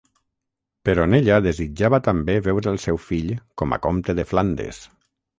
Peronella desitjava també veure el seu fill com a comte de Flandes.